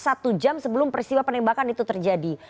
satu jam sebelum peristiwa penembakan itu terjadi